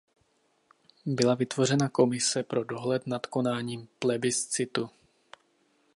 Byla vytvořena komise pro dohled nad konáním plebiscitu.